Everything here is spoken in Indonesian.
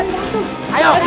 tangkap harimau itu